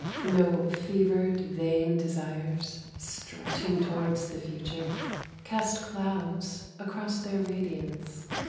No fevered, vain desires Stretching towards the future Cast clouds across their radiance.